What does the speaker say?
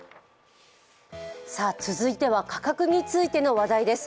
続いては価格についての話題です。